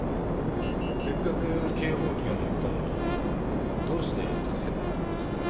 せっかく警報器が鳴ったのにどうして助けなかったんです？